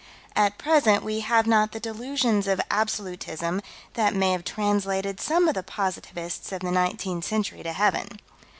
At present we have not the delusions of Absolutism that may have translated some of the positivists of the nineteenth century to heaven.